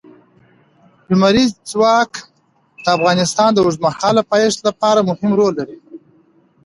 لمریز ځواک د افغانستان د اوږدمهاله پایښت لپاره مهم رول لري.